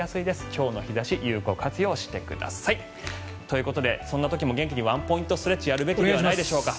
今日の日差し有効活用してください。ということでそんな時も元気にワンポイントストレッチやるべきではないでしょうか。